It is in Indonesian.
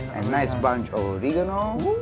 dan banyak banyak oregano